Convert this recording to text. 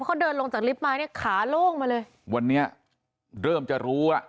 เขาเดินลงจากลิฟต์ไม้เนี้ยขาโล่งมาเลยวันนี้เริ่มจะรู้อ่ะ